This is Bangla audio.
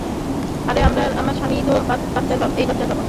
আরে তোমার স্বামী-ই তো এই বাচ্চার বাবা।